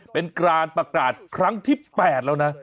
เป็นการประกาศครั้งที่๘แล้วนะ